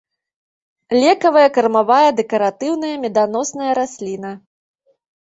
Лекавая, кармавая, дэкаратыўная, меданосная расліна.